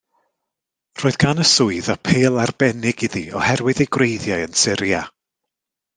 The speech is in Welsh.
Roedd gan y swydd apêl arbennig iddi oherwydd ei gwreiddiau yn Syria.